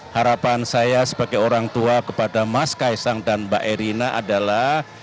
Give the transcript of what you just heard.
harapan saya sebagai orang tua kepada mas kaisang dan mbak erina adalah